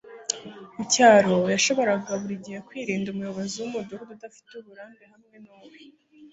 mucyaro, yashoboraga buri gihe kwirinda umuyobozi wumudugudu udafite uburambe hamwe nuwe